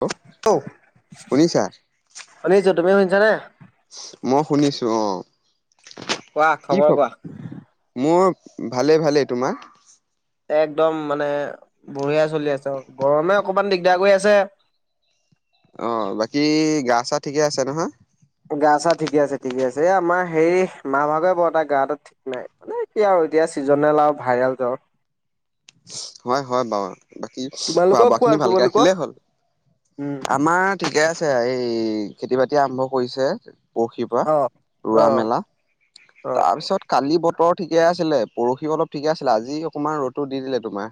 Hello ও, শুনিছা? শুনিছোঁ। তুমি শুনিছানে? মই শুনিছো অ। কোৱা, কি খ খবৰ কোৱা? মোৰ ভালে-ভালেই তোমাৰ একদম মানে বঢ়িয়া চলি আছে, অ'গৰমে অকমান দিগদাৰ কৰি আছে। অ, বাকী গা-চা ঠিকে আছে নহয়? গা-চা ঠিকে আছে, ঠিকে আছে। এ আমাৰ হেৰি মাৰ ভাগৰে বৰ এটা গাটো ঠিক নাই। এ কি আৰু এতিয়া, ছিজনেল আৰু ভাইৰেল জ্বৰ। হয়-হয় বাৰু, বাকী তোমালোকৰ খোৱা-বোৱা কোৱা খিনি ভালকে তোমালোকৰ ৰাখিলেই হ'ল। উম আমাৰ ঠিকে আছে, এই খেতি-বাতি আৰম্ভ কৰিছে। পৰহি পৰা, অ অ ৰোৱা-মেলা। অ অ তাৰপিছত কালি বতৰ ঠিকে আছিলে, পৰহিও অলপ ঠিকে আছিলে। আজি অকণমান ৰ'দ তো দি দিলে তোমাৰ।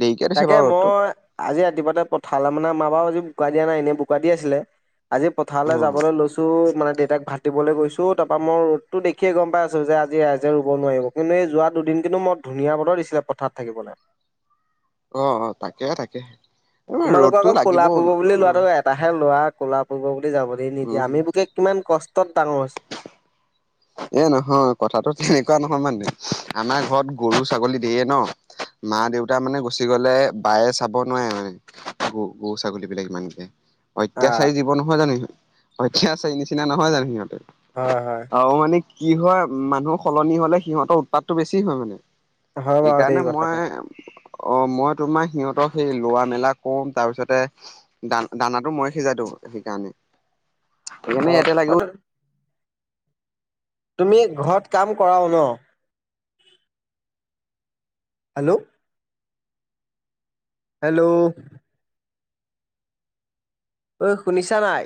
দেৰিকে দিছে তাকে বাৰু ৰ'দটো। মই আজি ৰাতিপুৱাতে পঠালে মানে আমাৰ বাওঁ আজি বোকা দিয়া নাই, এনেই বোকা দি আছিলে। আজি পথাৰলে অ' যাবলৈ লৈছো মানে দেউতাক ভাত দিবলৈ গৈছোঁ, তাৰ পৰা মই ৰ'দতো দেখিয়ে গম পাই আছো যে, আজি ৰাইজে ৰুব নোৱাৰিব। কিন্তু এই যোৱা দুদিন কিন্তু মই ধুনীয়া বতৰ দিছিলে, পথাৰত থাকিবলে। অ-অ, তাকেহে তাকে। তোমালোকৰ ৰ'দটো আক লাগিব। ক'লা পৰিব বুলি উম, ল'ৰাটো যে ইয়াত এটাহে ল'ৰা ক'লা পৰিব বুলি যাবলে নিদিয়ে। উম। আমি বোৰকে কিমান কষ্টত ডাঙৰ হৈছো। এ নহয় কথাটো তেনেকুৱা নহয় মানে, আমাৰ ঘৰত গৰু, ছাগলী ধেইৰ ন। মা-দেউতা মানে গুচি গ'লে, বায়ে চাব নোৱাৰে মানে। গ গৰু, ছাগলী বিলাক ইমানকে। আহ অত্যাচাৰী জীৱ নহয় জানো সিহঁত, অত্যাচাৰীৰ নিচিনা নহয় জানো সিহঁতে। হয়-হয়। আৰু মানে কি হয়, মানুহ সলনি হ'লে সিহঁতৰ উৎপাতটো বেছি হয় মানে। হয় বাৰু দেই সেইকাৰণে কথাটো মই অ' মই তোমাৰ সিহঁতক সেই লোৱা-মেলা কও, তাৰপিছতে দানা-দানাটো মই সিজাই দিওঁ সেইকাৰণে, অ সেইকাৰণে ইয়াতে অ লাগো। তুমি ঘৰত কাম কৰাও ন? হেল্ল' হেল্ল' ঐ শুনিছা নাই?